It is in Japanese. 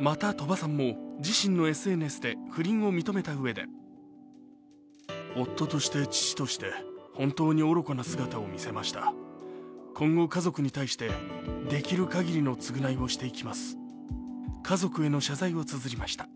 また、鳥羽さんも自身のＳＮＳで不倫を認めたうえで家族への謝罪をつづりました。